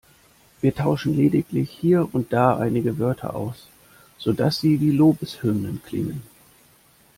Wir tauschen lediglich hier und da einige Wörter aus, sodass sie wie Lobeshymnen klingen.